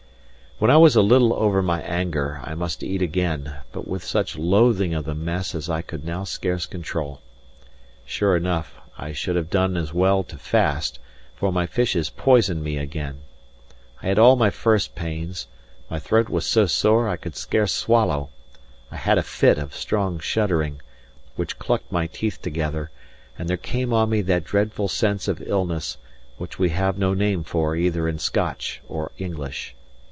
When I was a little over my anger, I must eat again, but with such loathing of the mess as I could now scarce control. Sure enough, I should have done as well to fast, for my fishes poisoned me again. I had all my first pains; my throat was so sore I could scarce swallow; I had a fit of strong shuddering, which clucked my teeth together; and there came on me that dreadful sense of illness, which we have no name for either in Scotch or English.